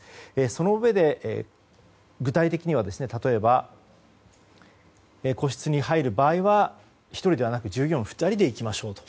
そのうえで、具体的には例えば、個室に入る場合は１人ではなく従業員２人で行きましょうと。